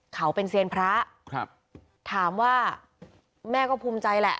เขาเป็นเซียนพระครับถามว่าแม่ก็ภูมิใจแหละ